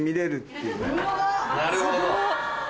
なるほど。